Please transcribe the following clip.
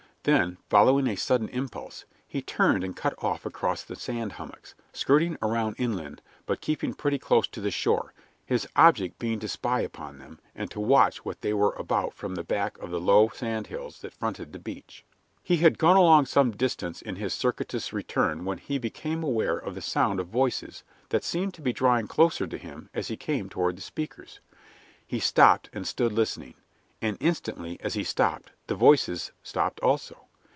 Then, following a sudden impulse, he turned and cut off across the sand hummocks, skirting around inland, but keeping pretty close to the shore, his object being to spy upon them, and to watch what they were about from the back of the low sand hills that fronted the beach. He had gone along some distance in his circuitous return when he became aware of the sound of voices that seemed to be drawing closer to him as he came toward the speakers. He stopped and stood listening, and instantly, as he stopped, the voices stopped also.